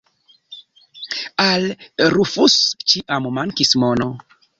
Al Rufus ĉiam mankis mono.